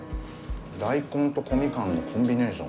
大根と小みかんのコンビネーション。